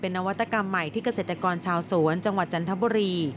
นวัตกรรมใหม่ที่เกษตรกรชาวสวนจังหวัดจันทบุรี